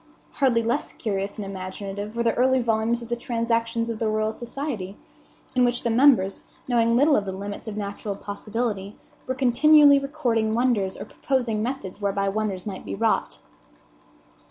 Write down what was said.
Hardly less curious and imaginative were the early volumes of the Transactions of the Royal Society, in which the members, knowing little of the limits of natural possibility, were continually recording wonders or proposing methods whereby wonders might be wrought.